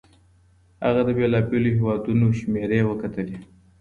هغه د بېلابېلو هيوادونو شمېرې وکتلې.